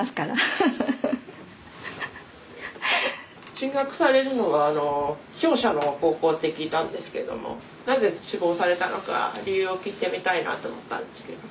進学されるのは聴者の高校って聞いたんですけどもなぜ志望されたのか理由を聞いてみたいなと思ったんですけれども。